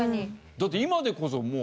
だって今でこそもう。